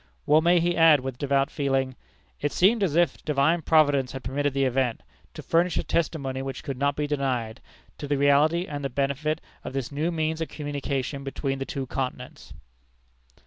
Well may he add with devout feeling: "It seemed as if Divine Providence had permitted the event, to furnish a testimony which could not be denied, to the reality and the benefit of this new means of communication between the two continents."